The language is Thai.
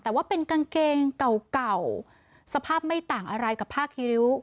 แต่ว่าเป็นกางเกงเก่าเก่าสภาพไม่ต่างอะไรกับผ้าคีริ้ว